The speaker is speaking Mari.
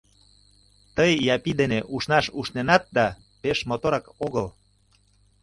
Тый Япи дене ушнаш ушненат да, пеш моторак огыл.